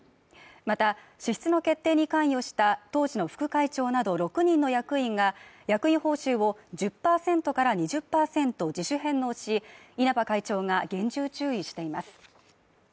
また、支出の決定に関与した当時の副会長など６人の役員が役員報酬を１０％から２０％自主返納し、稲葉会長が厳重注意しています。